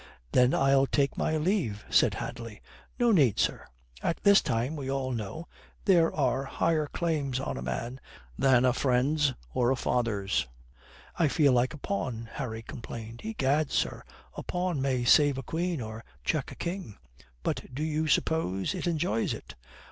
"Then I'll take my leave," said Hadley. "No need, sir. At this time, we all know, there are higher claims on a man than a friend's or a father's." "I feel like a pawn," Harry complained. "Egad, sir, a pawn may save a queen or check a king." "But do you suppose it enjoys it?"